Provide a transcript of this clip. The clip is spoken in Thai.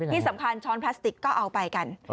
ที่สำคัญช้อนพลาสติกก็เอาไปกัน